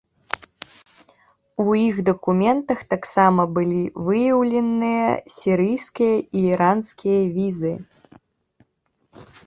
У іх дакументах таксама былі выяўленыя сірыйскія і іранскія візы.